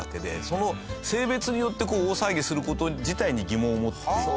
その性別によって大騒ぎする事自体に疑問を持っていて。